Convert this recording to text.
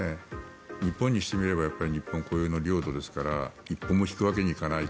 日本にしてみれば日本固有の領土ですから一歩も引くわけにいかない。